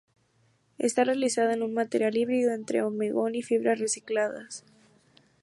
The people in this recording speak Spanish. Está realizada en un material híbrido entre hormigón y fibras recicladas.